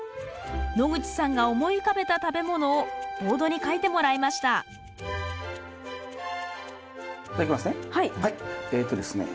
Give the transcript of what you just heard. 野口さんが思い浮かべた食べ物をボードに書いてもらいましたではいきますね。